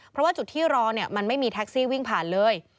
เพราะว่าจุดที่รอเนี่ยมันไม่มีแท็กซี่วิ่งผ่านเลย